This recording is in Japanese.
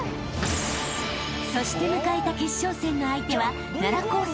［そして迎えた決勝戦の相手は奈良高専の三笠］